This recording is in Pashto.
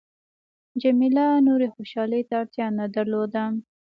جميله نورې خوشحالۍ ته اړتیا نه درلوده.